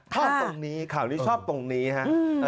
ข่าวนี้ข่าวนี้ชอบตรงนี้ฮะ